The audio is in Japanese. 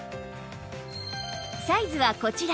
サイズはこちら